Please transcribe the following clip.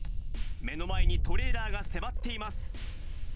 目の前にトレーラーが迫っています。